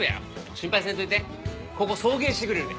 心配せんといてここ送迎してくれるで。